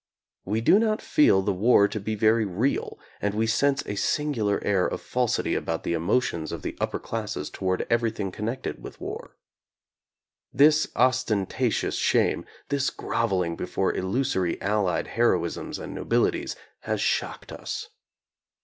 We do not feel the war to be very real, and we sense a singular air of falsity about the emotions of the upper classes to ward everything connected with war. This os tentatious shame, this groveling before illusory Allied heroisms and nobilities, has shocked us.